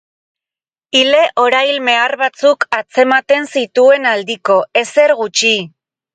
Ile horail mehar batzuk atzematen zituen aldiko, ezer gutxi.